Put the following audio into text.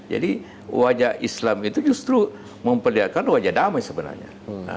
jadi wajah islam itu justru memperlihatkan wajah damai sebenarnya